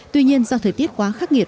tuy nhiên do thời tiết quá khắc nghiệt